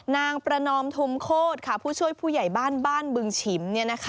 นางประนอมทุมโคตรผู้ช่วยผู้ใหญ่บ้านบ้านบึงฉิม